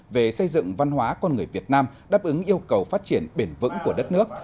về xây dựng văn hóa con người việt nam đáp ứng yêu cầu phát triển bền vững của đất nước